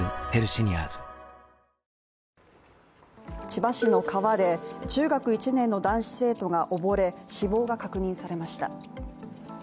千葉市の川で中学１年の男子生徒が溺れ死亡が確認されました。